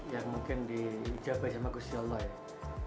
yang mungkin diijabai sama kusti allah ya